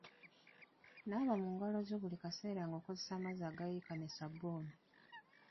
Naaba mu ngalo zo buli kaseera ng’okozesa amazzi agayiika n’essabbuuni.